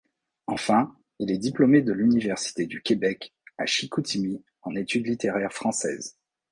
Enfin, il est diplômé de l'Université du Québec à Chicoutimi en Études littéraires françaises.